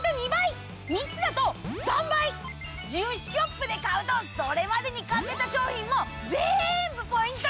１０ショップで買うとそれまでに買ってた商品もぜんぶポイント